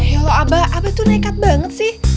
ya allah abah abah tuh nekat banget sih